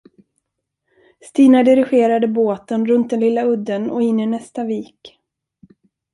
Stina dirigerade båten runt den lilla udden och in i nästa vik.